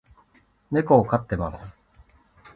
猫を飼っています